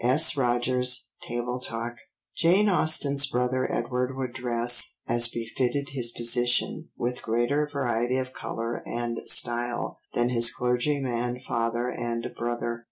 (S. Rogers, Table Talk.) Jane Austen's brother Edward would dress, as befitted his position, with greater variety of colour and style than his clergyman father and brother.